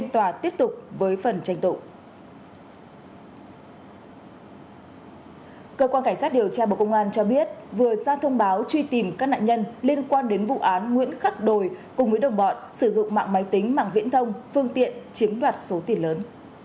cơ quan cảnh sát điều tra bộ công an cho biết vừa ra thông báo truy tìm các nạn nhân liên quan đến vụ án nguyễn khắc đồi cùng với đồng bọn sử dụng mạng máy tính mạng viễn thông phương tiện chiếm đoạt số tiền lớn